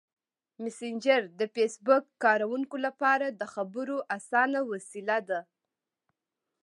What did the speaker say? مسېنجر د فېسبوک کاروونکو لپاره د خبرو اسانه وسیله ده.